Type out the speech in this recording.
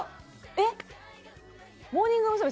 えっモーニング娘。